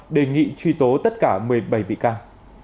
đề nghị truy tố tất cả một mươi bảy bị can